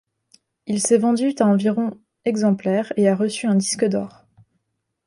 Il s'est vendu à environ exemplaires et a reçu un disque d'or.